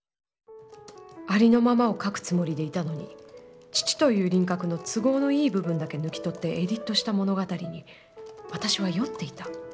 ありのままを書くつもりでいたのに父という輪郭の、都合のいい部分だけ抜き取ってエディットした物語に、私は酔っていた。